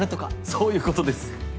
そういうことです。